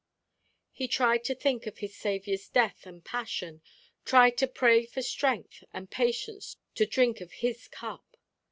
He tried to think of his Saviour's death and passion; tried to pray for strength and patience to drink of his cup.